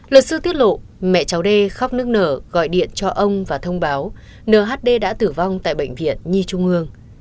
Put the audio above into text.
luật sư tiết lộ mẹ cháu d khóc nước nở gọi điện cho ông và thông báo nhd đã tử vong tại bệnh viện nhi trung hương